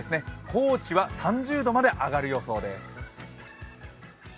高知は３０度まで上がる予想です。